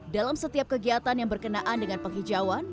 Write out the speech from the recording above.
dalam setiap kegiatan yang berkenaan dengan penghijauan